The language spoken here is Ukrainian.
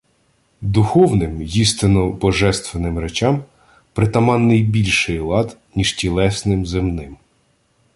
Духовним й істинно Божественним речам притаманний більший лад, ніж тілесним, земним.